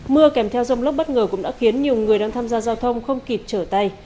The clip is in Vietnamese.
mưa kèm theo dông lốc bất ngờ cũng đã khiến nhiều người đang tham gia giao thông không kịp trở tay